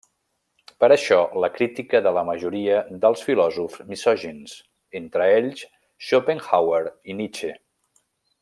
Per això, la crítica de la majoria dels filòsofs misògins, entre ells Schopenhauer i Nietzsche.